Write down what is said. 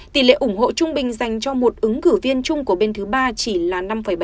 tỷ lệ ủng hộ trung bình dành cho một ứng cử viên chung của bên thứ ba chỉ là năm bảy